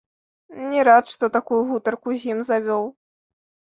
Не рад, што такую гутарку з ім завёў.